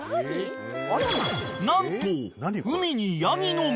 ［何と海にヤギの群れが］